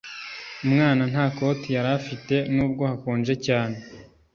Umwana nta koti yari afite nubwo hakonje cyane